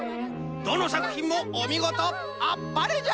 どのさくひんもおみごとあっぱれじゃ！